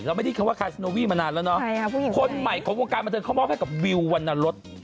ไม่ได้คำว่าคาซิโนวีมานานแล้วเนาะคนใหม่ของวงการบันเทิงเขามอบให้กับวิววรรณรส